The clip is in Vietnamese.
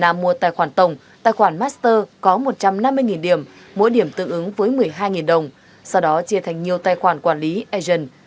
nam mua tài khoản tổng tài khoản master có một trăm năm mươi điểm mỗi điểm tương ứng với một mươi hai đồng sau đó chia thành nhiều tài khoản quản lý agent